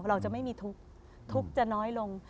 เราจะไม่มีทุกข์ทุกข์จะน้อยลง